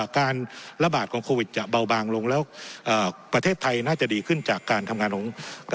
การระบาดของโควิดจะเบาบางลงแล้วประเทศไทยน่าจะดีขึ้นจากการทำงานของ